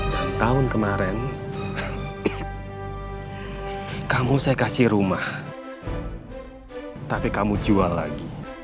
dan tahun kemarin kamu saya kasih rumah tapi kamu jual lagi